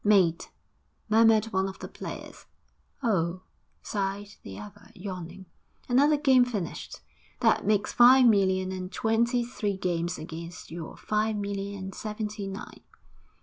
'Mate!' murmured one of the players. 'Oh!' sighed the other, yawning, 'another game finished! That makes five million and twenty three games against your five million and seventy nine.'